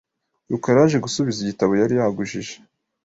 rukara yaje gusubiza igitabo yari yagujije .